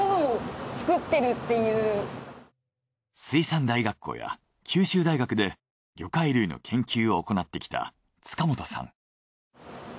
水産大学校や九州大学で魚介類の研究を行ってきた塚本さん。